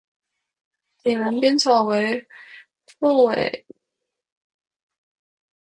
井栏边草为凤尾蕨科凤尾蕨属下的一个种。